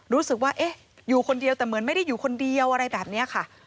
รู้สึกว่าเอ๊ะอยู่คนเดียวแต่เหมือนไม่ได้อยู่คนเดียวอะไรแบบนี้ค่ะ